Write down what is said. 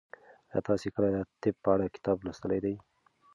ایا تاسي کله د طب په اړه کتاب لوستی دی؟